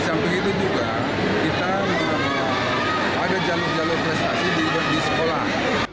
sampai itu juga kita mencari jalur jalur prestasi di sekolah